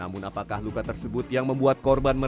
namun apakah luka tersebut yang membuat korban merasakan